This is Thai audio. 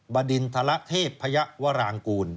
บดินทะละเทพพระยะวรางกูล